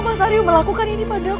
kenapa mas ari melakukan ini pada aku mas